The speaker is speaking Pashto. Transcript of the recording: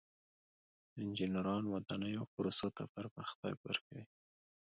انجینران ودانیو او پروسو ته پرمختګ ورکوي.